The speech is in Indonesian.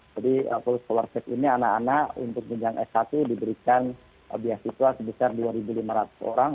jadi full scholarship ini anak anak untuk pinjang s satu diberikan beasiswa sebesar dua lima ratus orang